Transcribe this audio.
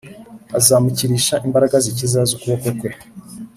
Azamushubirisha imbaraga zikiza z ukuboko kwe